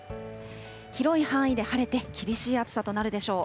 広い範囲で晴れて、厳しい暑さとなるでしょう。